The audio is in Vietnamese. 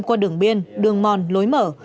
qua đường biên đường mòn lối mở